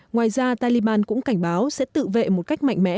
ngoài ra taliban cũng cảnh báo sẽ tự vệ một cách mạnh mẽ